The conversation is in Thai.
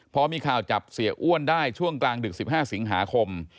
พอมีข่าวจับเสียอ้วนได้ช่วงกลางดึก๑๕สิงหาคม